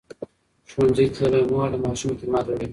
ښوونځې تللې مور د ماشوم اعتماد لوړوي.